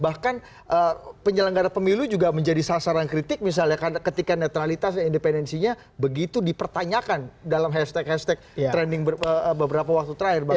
bahkan penyelenggara pemilu juga menjadi sasaran kritik misalnya karena ketika netralitas dan independensinya begitu dipertanyakan dalam hashtag hashtag trending beberapa waktu terakhir